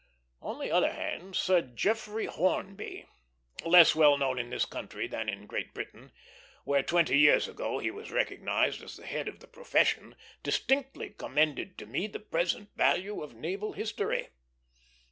On the other hand, Sir Geoffrey Hornby, less well known in this country than in Great Britain, where twenty years ago he was recognized as the head of the profession, distinctly commended to me the present value of naval history.